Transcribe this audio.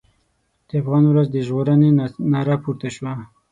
د افغان ولس د ژغورنې ناره پورته شوه.